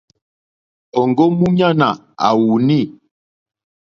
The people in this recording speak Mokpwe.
Òŋɡó múɲánà à wùùnî.